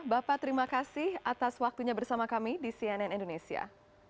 bapak terima kasih atas waktunya bersama kami di cnn indonesia